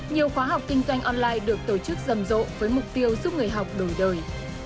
nhiều khóa học kinh doanh online được tổ chức rầm rộ với mục tiêu giúp người học đổi đời